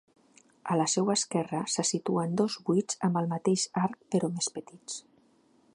A la seua esquerra se situen dos buits amb el mateix arc però més petits.